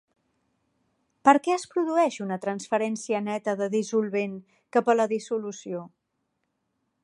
Per què es produeix una transferència neta de dissolvent cap a la dissolució?